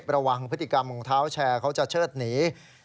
ระวังพฤติกรรมของเท้าแชร์เขาจะเชิดหนี